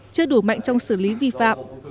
chưa đủ mạnh trong xử lý vi phạm